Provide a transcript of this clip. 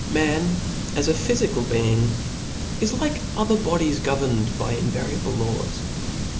Man, as a phyfical being, is, like other bodies, governed by invariable laws.